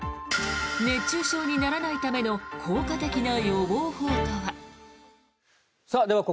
熱中症にならないための効果的な予防法とは。